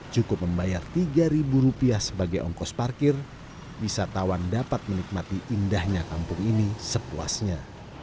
cukup membayar tiga rupiah sebagai ongkos parkir wisatawan dapat menikmati indahnya kampung ini sepuasnya